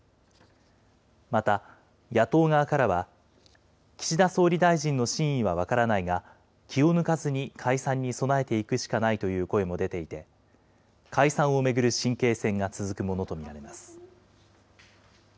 また、野党側からは、岸田総理大臣の真意は分からないが、気を抜かずに解散に備えていくしかないという声も出ていて、解散を巡る神経戦が続くものと見られます。